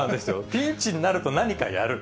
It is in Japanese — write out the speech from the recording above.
ピンチになると、何かやる。